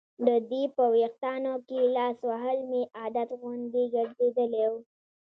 د دې په ویښتانو کې لاس وهل مې عادت غوندې ګرځېدلی و.